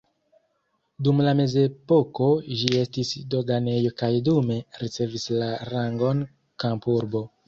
Dum la mezepoko ĝi estis doganejo kaj dume ricevis la rangon kampurbo.